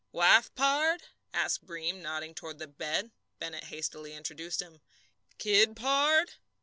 "Wife, pard?" asked Breem, gently, nodding toward the bed. Bennett hastily introduced him. "Kid, pard?"